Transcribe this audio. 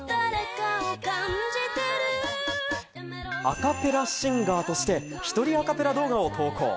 アカペラシンガーとして１人アカペラ動画を投稿。